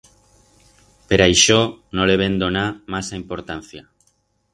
Per aixó, no le vem donar masa importancia.